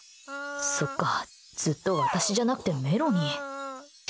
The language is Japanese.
そっかずっと私じゃなくてメロに。